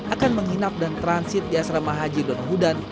akan menginap dan transit di asrama haji donohudan